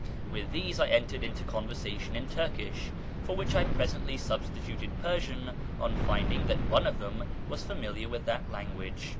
With these I entered into conversation in Turkish, for which I presently substituted Persian on finding that one of them was familiar with that language.